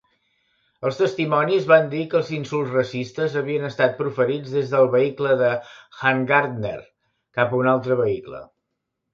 Els testimonis van dir que els insults racistes havien estat proferits des del vehicle de Hangartner cap a un altre vehicle.